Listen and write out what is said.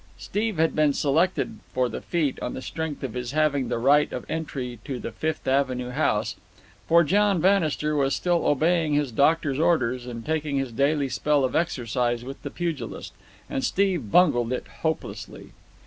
Steve had been selected for the feat on the strength of his having the right of entry to the Fifth Avenue house, for John Bannister was still obeying his doctor's orders and taking his daily spell of exercise with the pugilist—and Steve bungled it hopelessly.